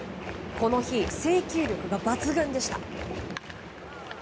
この日、制球力が抜群でした。